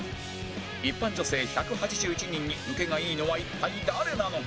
一般女性１８１人にウケがいいのは一体誰なのか？